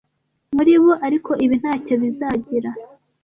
Muri bo, ariko ibi ntacyo bizagira